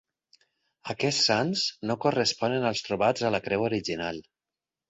Aquests sants no corresponen als trobats a la creu original.